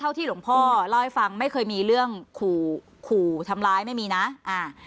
ที่หลวงพ่อเล่าให้ฟังไม่เคยมีเรื่องขู่ขู่ทำร้ายไม่มีนะอ่า